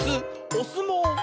「おすもう」！